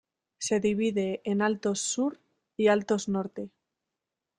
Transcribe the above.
Se divide en Altos Sur y Altos Norte.